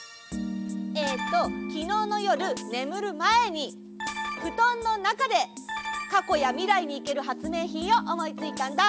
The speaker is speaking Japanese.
えっときのうのよるねむるまえにふとんのなかでかこやみらいにいけるはつめいひんをおもいついたんだ！